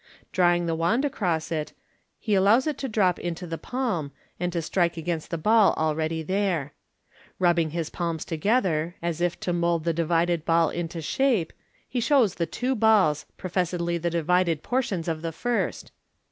Drawing the wand across it, he allows it to drop into the palm, and to strike against the ball already there. Rubbing his palms together, as if to mould the div\aed ball into shape, he shows the two balls, professedly the 428 MODERN MA GIC divided portions of the first.